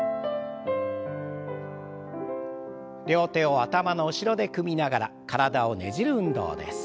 両手を頭の後ろで組みながら体をねじる運動です。